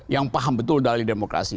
yang paham betul dari demokrasi